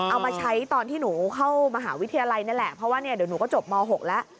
เอามาใช้ตอนที่หนูเข้ามหาวิทยาลัยนั่นแหละเพราะว่าเนี่ยเดี๋ยวหนูก็จบม๖แล้ว